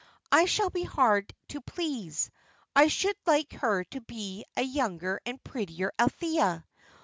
"I shall be hard to please. I should like her to be a younger and prettier Althea.